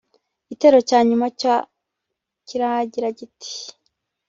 Igitero cya nyuma cyo kiragira kiti